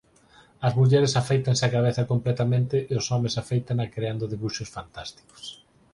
As mulleres aféitanse a cabeza completamente e os homes aféitana creando debuxos fantásticos.